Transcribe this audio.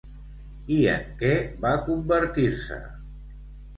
I en què va convertir-se?